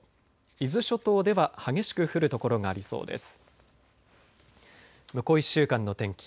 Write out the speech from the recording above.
伊豆諸島では激しく降る所がありそうです。